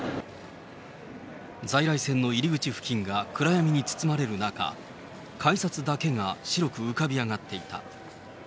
在来線の入り口付近が暗闇に包まれる中、改札だけが白く浮かび上がっていた。